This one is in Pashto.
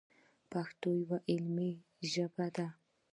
پښتو یوه علمي ژبه ده.